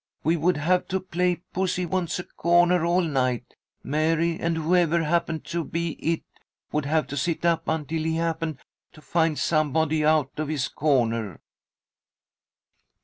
We would have to play 'Pussy wants a corner' all night, Mary, and whoever happened to be 'it' would have to sit up until he happened to find somebody out of his corner."